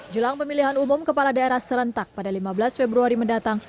jelang pemilihan umum kepala daerah serentak pada lima belas februari mendatang